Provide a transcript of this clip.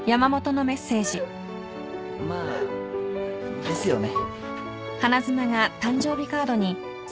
まあですよね。